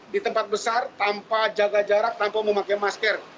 di tempat besar tanpa jaga jarak tanpa memakai masker